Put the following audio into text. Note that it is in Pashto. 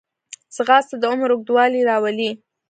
ځغاسته د عمر اوږدوالی راولي